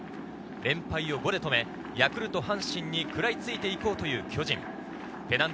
連敗を５で止め、ヤクルトと阪神に食らいついて行こうという巨人。